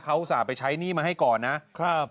เขาอุตส่าห์ไปใช้หนี้มาให้ก่อนนะครับ